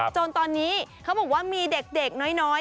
จนตอนนี้เขาบอกว่าหมู่เบ้นเนี่ยเขาดังมากในโรคโซเชียล